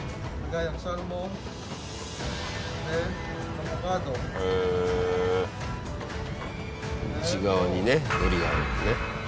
内側にね海苔があるんですね。